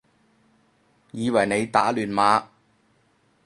以為你打亂碼